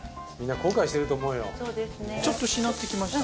ちょっとしなってきました